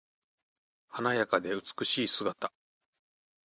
華やかで美しい姿。